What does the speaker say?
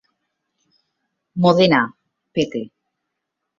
Modena, Pt.